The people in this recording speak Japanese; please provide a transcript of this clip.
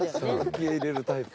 受け入れるタイプ。